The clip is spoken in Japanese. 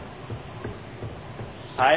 はい？